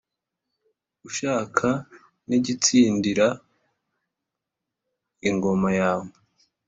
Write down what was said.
ushaka n'igitsindira ingoma yawe.